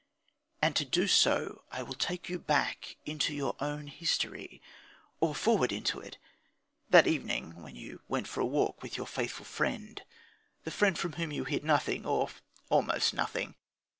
And, to do so, I will take you back into your own history, or forward into it. That evening when you went for a walk with your faithful friend, the friend from whom you hid nothing or almost nothing